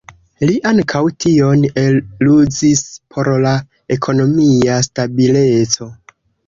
Li ankaŭ tion eluzis por la ekonomia stabileco.